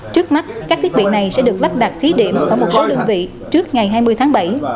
trước mắt các thiết bị này sẽ được lắp đặt thí điểm ở một số đơn vị trước ngày hai mươi tháng bảy